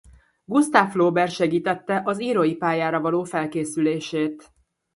Gustave Flaubert segítette az írói pályára való felkészülését.